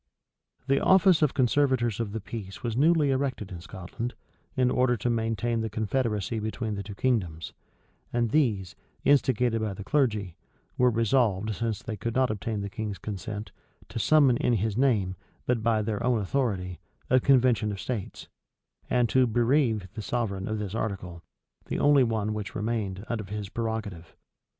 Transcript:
The office of conservators of the peace was newly erected in Scotland, in order to maintain the confederacy between the two kingdoms; and these, instigated by the clergy, were resolved, since they could not obtain the king's consent, to summon in his name, but by their own authority, a convention of states; and to bereave their sovereign of this article, the only one which remained, of his prerogative.